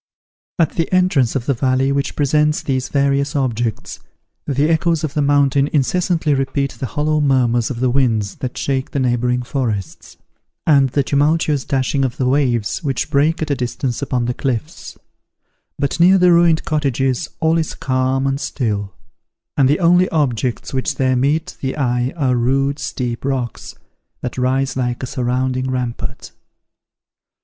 At the entrance of the valley which presents these various objects, the echoes of the mountain incessantly repeat the hollow murmurs of the winds that shake the neighbouring forests, and the tumultuous dashing of the waves which break at a distance upon the cliffs; but near the ruined cottages all is calm and still, and the only objects which there meet the eye are rude steep rocks, that rise like a surrounding rampart.